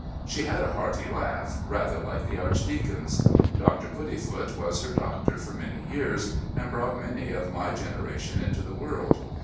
She had a hearty laugh, rather like the Archdeacon's. Dr. Puddifoot was our doctor for many years and brought many of my generation into the world.